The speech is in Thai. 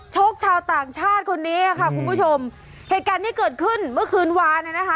โชคชาวต่างชาติคนนี้ค่ะคุณผู้ชมเหตุการณ์ที่เกิดขึ้นเมื่อคืนวานน่ะนะคะ